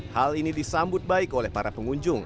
hal ini disambut baik oleh para pengunjung